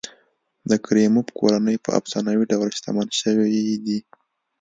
د کریموف کورنۍ په افسانوي ډول شتمن شوي دي.